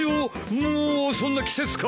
もうそんな季節か。